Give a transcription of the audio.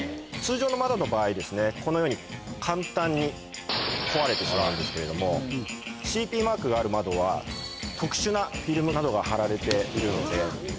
通常の窓の場合このように簡単に壊れてしまうんですけれどもＣＰマークがある窓は特殊なフィルムなどが張られているので。